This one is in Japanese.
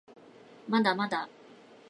まだまだ